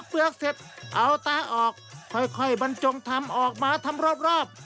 เอาตาออกค่อยบรรจงทำออกมาทำรอบ